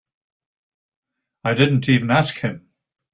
I didn't even ask him.